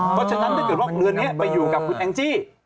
เพราะฉะนั้นถ้าเกิดว่าเรือนนี้ไปอยู่กับคุณแองจี้